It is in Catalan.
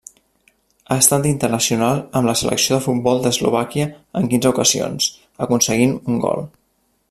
Ha estat internacional amb la Selecció de futbol d'Eslovàquia en quinze ocasions, aconseguint un gol.